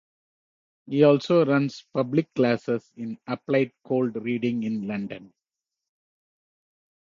He also runs public classes in Applied Cold Reading in London.